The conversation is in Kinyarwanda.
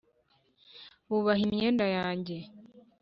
bubaha imyenda yanjye,